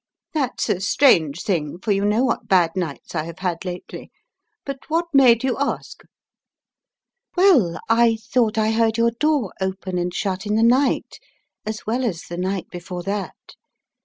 That's a strange thing, for you know what bad nights I have had lately. But what made you ask?" "Well, I thought I heard your door open and shut in the night, as well as the night before that.